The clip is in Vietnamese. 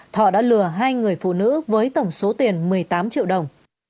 thọ đã lừa hai người phụ nữ với tổng số tiền một mươi tám triệu đồng